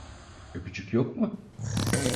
Öpücük yok mu?